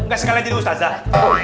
gak sekali jadi ustazah